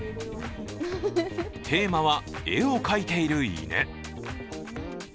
テーマは「絵を描いている犬」。